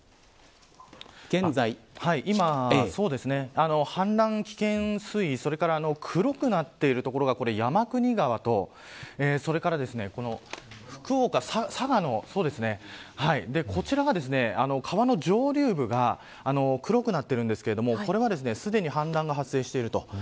今、氾濫危険水位それから黒くなっている所が山国川とそれから福岡、佐賀のこちらが川の上流部が黒くなっているんですがこれはすでに氾濫が発生していると。